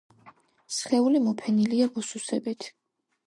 სხეული მოფენილია ბუსუსებით.